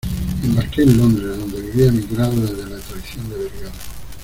embarqué en Londres, donde vivía emigrado desde la traición de Vergara